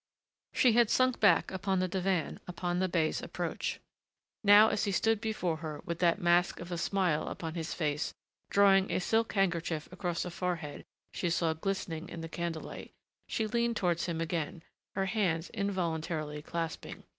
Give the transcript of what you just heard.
She had sunk back upon the divan on the bey's approach; now as he stood before her with that mask of a smile upon his face, drawing a silk handkerchief across a forehead she saw glistening in the candlelight, she leaned towards him again, her hands involuntarily clasping.